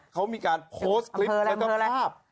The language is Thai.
เขามีการโพสต์คลิปและกระทับ